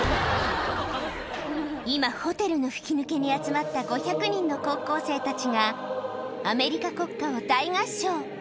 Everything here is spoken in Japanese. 今、ホテルの吹き抜けに集まった５００人の高校生たちが、アメリカ国歌を大合唱。